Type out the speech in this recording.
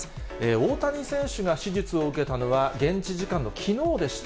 大谷選手が手術を受けたのは、現地時間のきのうでした。